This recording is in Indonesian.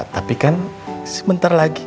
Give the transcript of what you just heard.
tapi kan sebentar lagi